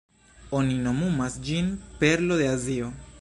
Oni nomumas ĝin "Perlo de Azio".